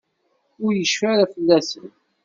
Ur yecfi ara fell-asen.